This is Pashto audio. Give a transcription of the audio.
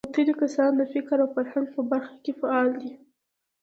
وتلي کسان د فکر او فرهنګ په برخه کې فعال دي.